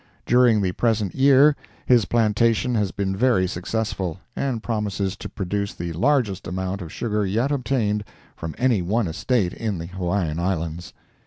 During the present year, his plantation has been very successful, and promises to produce the largest amount of sugar yet obtained from any one estate in the Hawaiian Islands.